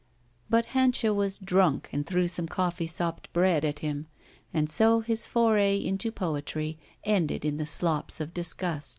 But Hanscha was drunk and threw some cc^ee sopped bread at him, and so his foray into poetry ended in the slops of disgust.